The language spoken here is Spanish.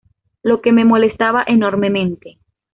lo que me molestaba enormemente